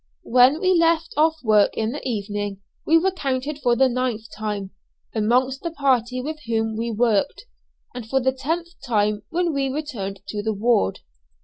When we left off work in the evening we were counted for the ninth time, amongst the party with whom we worked, and for the tenth time when we returned to the ward.